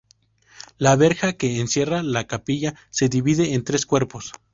La verja que encierra la capilla se divide en tres cuerpos.